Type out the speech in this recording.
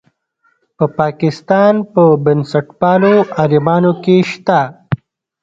په پاکستان په بنسټپالو عالمانو کې شته.